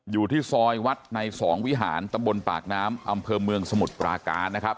อยู่ที่ซอยวัดในสองวิหารตำบลปากน้ำอำเภอเมืองสมุทรปราการนะครับ